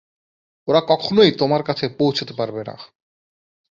ওরা কখনই তোমার কাছে পৌঁছতে পারবে না।